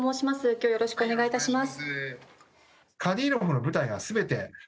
今日はよろしくお願いいたします。